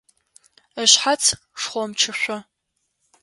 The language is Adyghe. Ышъхьац шхъомчышъо.